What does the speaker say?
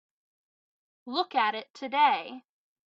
Look at it today.